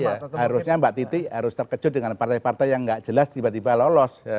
seharusnya mbak titi harus terkejut dengan partai partai yang tidak jelas tiba tiba lolos